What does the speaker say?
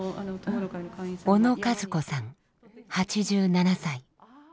小野和子さん８７歳。